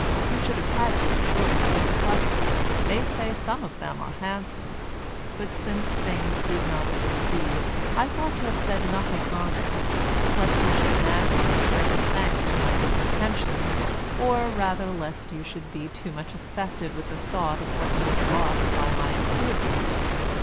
You should have had your choice, and, trust me, they say some of them are handsome; but since things did not succeed, I thought to have said nothing on't, lest you should imagine I expected thanks for my good intention, or rather lest you should be too much affected with the thought of what you have lost by my imprudence.